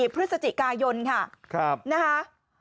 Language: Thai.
พฤศจิกายนค่ะนะคะ